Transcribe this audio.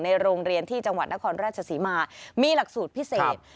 ในโรงเรียนที่จังหวัดนครราชศรีมามีหลักสูตรพิเศษ